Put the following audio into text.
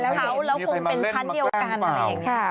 แล้วคงเป็นชั้นเดียวกัน